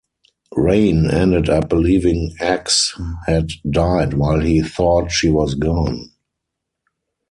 Rayne ended up believing Ecks had died while he thought she was gone.